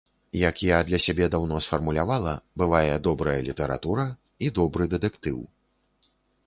Як я для сябе даўно сфармулявала, бывае добрая літаратура і добры дэтэктыў.